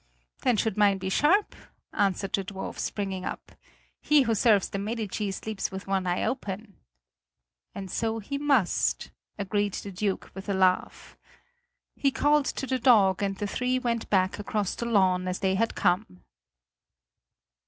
"Then should mine be sharp," answered the dwarf, springing up. "He who serves the Medici sleeps with one eye open." "And so he must," agreed the Duke with a laugh. He called to the dog and the three went back across the lawn as they had come.